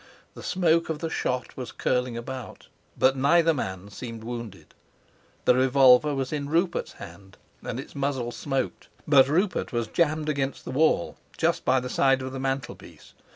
The smoke of the shot was curling about, but neither man seemed wounded. The revolver was in Rupert's hand, and its muzzle smoked. But Rupert was jammed against the wall, just by the side of the mantelpiece.